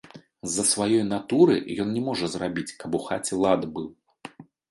З-за сваёй натуры ён не можа зрабіць, каб у хаце лад быў.